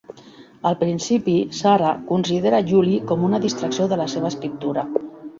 Al principi, Sarah considera Julie com una distracció de la seva escriptura.